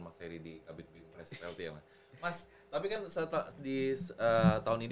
bru rare at lti ya mas mas tapi kan setelah di tahun ini nih september ya mas pertengahan september sampai awal october